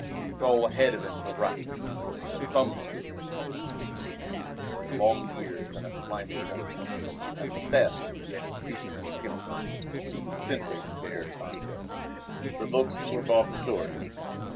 He saw ahead of him the rack, the thumb screw, and the boot; the long years in a slimy dungeon at the best the executioner's scimitar. He simply dared not go. The books were brought ashore again.